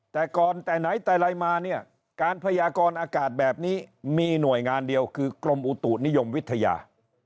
แต่ก่อนแต่ไหนแต่ไรมาเนี่ยการพยากรอากาศแบบนี้มีหน่วยงานเดียวคือกรมอุตุนิยมวิทยา